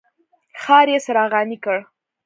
ښار یې څراغاني کړ.